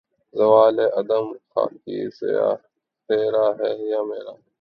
زوال آدم خاکی زیاں تیرا ہے یا میرا